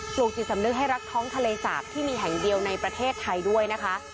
ลูกจิตสำนึกให้รักท้องทะเลจากที่มีแห่งเดียวในประเทศไทยด้วยนะคะ